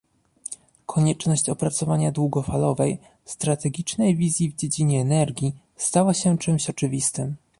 Konieczność opracowania długofalowej, strategicznej wizji w dziedzinie energii stała się czymś oczywistym